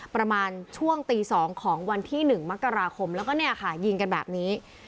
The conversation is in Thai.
ประมาณช่วงตี๒ของวันที่๑มกราคมแล้วก็เนี่ยค่ะยิงกันแบบนี้